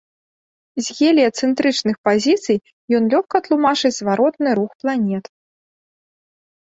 З геліяцэнтрычных пазіцый ён лёгка тлумачыць зваротны рух планет.